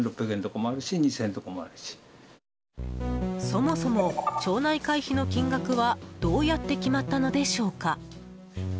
そもそも、町内会費の金額はどうやって決まったのでしょうか。